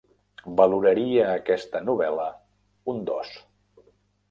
Valoraria aquesta novel·la un dos